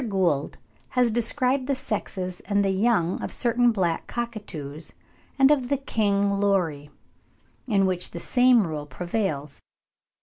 Gould has described (ibid. vol. ii. pp. 14, 20, 37) the sexes and the young of certain black Cockatoos and of the King Lory, with which the same rule prevails.